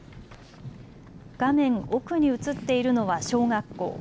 画面奥に映っているのは小学校。